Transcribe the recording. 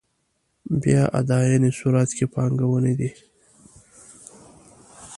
بیا اداينې صورت کې پانګونه دي.